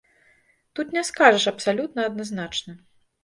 Тут не скажаш абсалютна адназначна.